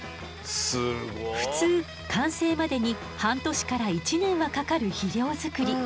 普通完成までに半年から１年はかかる肥料作り。